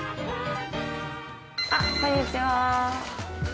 あっこんにちは。